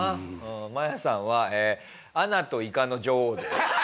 マヤさんはアナといかの女王です。